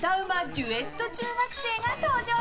デュエット中学生が登場。